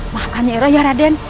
makan nyerah ya raden